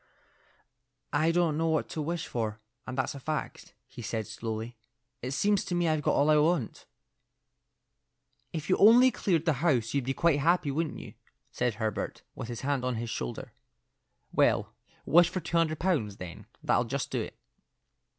"I don't know what to wish for, and that's a fact," he said, slowly. "It seems to me I've got all I want." "If you only cleared the house, you'd be quite happy, wouldn't you?" said Herbert, with his hand on his shoulder. "Well, wish for two hundred pounds, then; that 'll just do it."